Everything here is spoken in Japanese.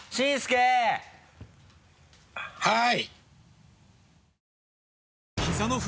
はい。